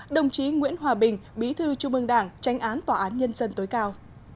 đồng chí nguyễn hòa bình bí thư trung ương đảng tranh án tòa án nhân dân tối cao